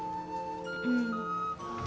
うん。